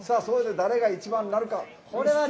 誰が一番になるか。